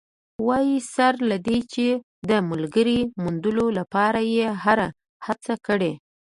وايي، سره له دې چې د ملګرې موندلو لپاره یې هره هڅه کړې